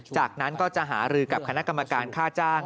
จากนั้นก็จะหารือกับคณะกรรมการค่าจ้าง